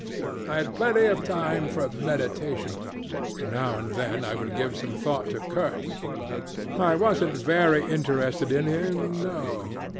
I had plenty of time for meditation, and now and then I would give some thought to Kurtz. I wasn't very interested in him. No.